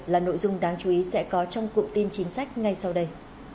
là nội dung đáng chú ý sẽ có trong cụm tin chính sách ngay sau đây